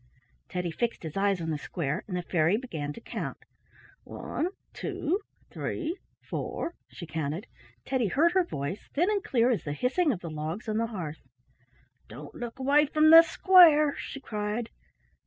Teddy fixed his eyes on the square and the fairy began to count. "One—two—three—four," she counted; Teddy heard her voice, thin and clear as the hissing of the logs on the hearth. "Don't look away from the square," she cried.